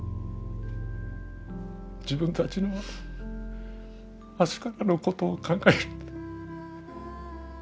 自分たちの明日からのことを考えると。